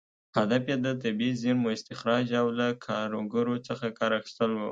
هدف یې د طبیعي زېرمو استخراج او له کارګرو څخه کار اخیستل و.